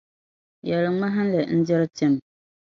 Yɛli ŋmahinli n-diri tim.